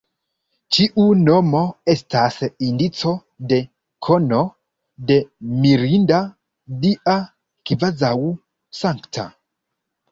Ĉiu nomo estas indico de kono, de mirinda, dia, kvazaŭ sankta.